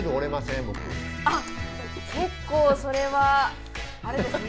あっ結構それはあれですね